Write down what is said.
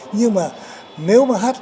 nhưng mà nếu mà hát chậm